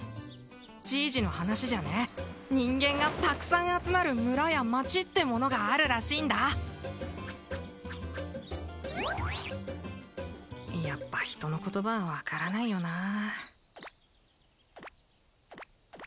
じいじの話じゃね人間がたくさん集まる村や町ってものがあるらしいんだやっぱ人の言葉は分からないよなあ